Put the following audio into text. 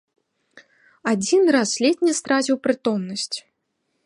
Адзін раз ледзь не страціў прытомнасць.